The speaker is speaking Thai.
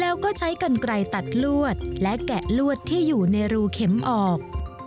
แล้วก็ใช้กันไกลตัดลวดและแกะลวดที่อยู่ในรูเข็มออก